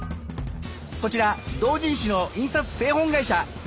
こちら同人誌の印刷製本会社。